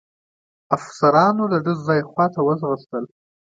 افسرانو د ډز ځای خواته وځغستل.